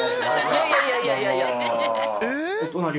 いやいやいやいや。